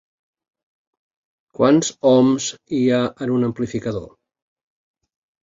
Quants ohms hi ha en un amplificador?